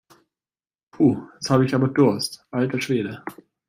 Puh, jetzt habe ich aber Durst, alter Schwede!